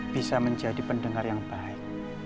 bisa menjadi pendengar yang baik